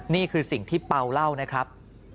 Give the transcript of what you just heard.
นี่คือสิ่งที่เปล่าเล่านะครับ